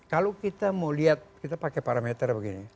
kalau kita mau lihat kita pakai parameter begini